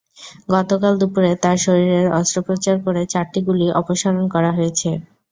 গতকাল দুপুরে তাঁর শরীরের অস্ত্রোপচার করে চারটি গুলি অপসারণ করা হয়েছে।